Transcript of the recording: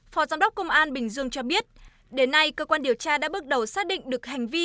phó giám đốc công an bình dương cho biết đến nay cơ quan điều tra đã bước đầu xác định được hành vi